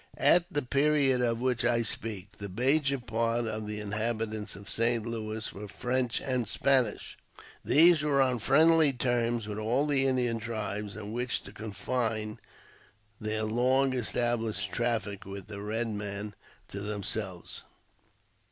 At the period of which I speak, the major part of the in habitants of St. Louis were French and Spanish. These were on friendly terms with all the Indian tribes, and wished to confine their long established trafi&c with the Eed men to themselves.